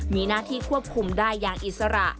มีหน้าที่ควบคุมได้อย่างอิสระ